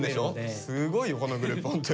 すごいよこのグループホントに。